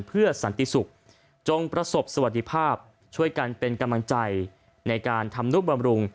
เพื่อสันติสุขจงประสบสวัสดิภาพช่วยกันเป็นกำลังใจในการทำนุบำรุง